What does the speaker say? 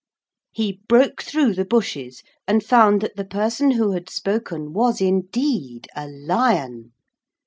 He broke through the bushes and found that the person who had spoken was indeed a lion.